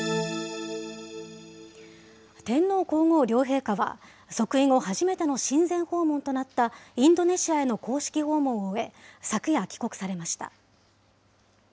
天皇皇后両陛下は、即位後初めての親善訪問となったインドネシアへの公式訪問を終え、昨夜、帰国されました。